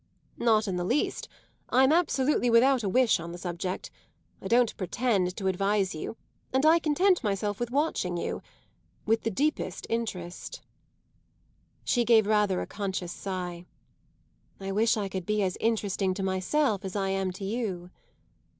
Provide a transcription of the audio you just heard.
"Not in the least. I'm absolutely without a wish on the subject. I don't pretend to advise you, and I content myself with watching you with the deepest interest." She gave rather a conscious sigh. "I wish I could be as interesting to myself as I am to you!"